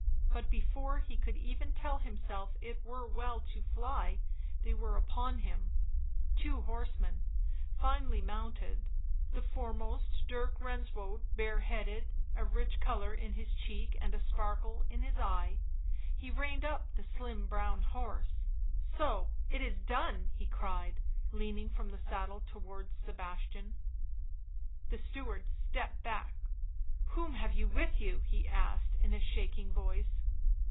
But before he could even tell himself it were well to fly they were upon him ; two horsemen, finely mounted, the foremost Dirk Renswoude, bare headed, a rich colour in his cheek and a sparkle in his eyes; he reined up the slim brown horse. " So — it is dope V' he cried, leaning from the saddle towards Sebastian. The steward stepped back. 7 Whom have you with you V* he asked in a shaking voice.